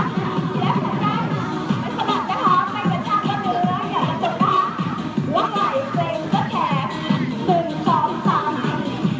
ล้อมร่วงเนื้อค่ะล้อมร่วงไว้ต้องแขนเสร็จนะครับ